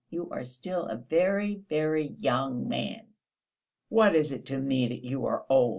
You are still a very, very young man!..." "What is it to me that you are old?